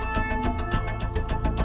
kau gak sudah tahu